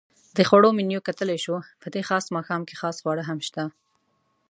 د خوړو منیو کتلای شو؟ په دې خاص ماښام کې خاص خواړه هم شته.